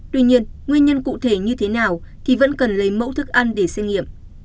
tuy nhiên nguyên nhân cụ thể như thế nào thì vẫn cần lấy mẫu thức ăn để xét nghiệm